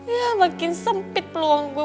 ya makin sempit peluang gue